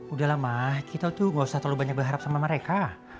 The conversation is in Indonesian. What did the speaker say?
udah lah ma kita tuh nggak usah terlalu banyak berharap sama mereka